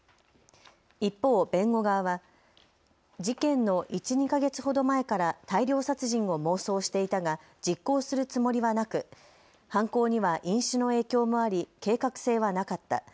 一方、弁護側は事件の１、２か月ほど前から大量殺人を妄想していたが実行するつもりはなく犯行には飲酒の影響もあり計画性はなかった。